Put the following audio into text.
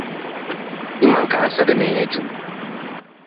In mancansa de megio.